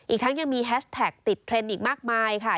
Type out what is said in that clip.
อีกทั้งยังมีแฮชแท็กติดเทรนด์อีกมากมายค่ะ